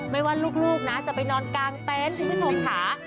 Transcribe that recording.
ไม่ว่าลูกนะจะไปนอนกางแป้นขึ้นห่วงขา